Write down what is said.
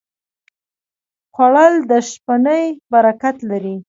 خوړل د شپهنۍ برکت لري